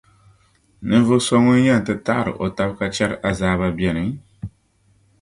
Ninvuɣu so ŋun yɛn ti taɣiri o taba ka chɛri azaaba beni?